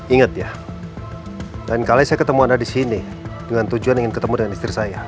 ingat ya lain kali saya ketemu anak di sini dengan tujuan ingin ketemu dengan istri saya